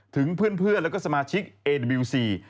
ถึงเพื่อนแล้วก็สมาชิกเอเดบิวซี